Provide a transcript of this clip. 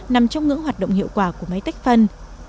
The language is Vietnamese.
nằm trong ngưỡng hoạt động hiệu quả của máy tách phân